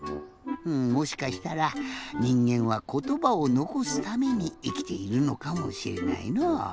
もしかしたらにんげんはことばをのこすためにいきているのかもしれないのう。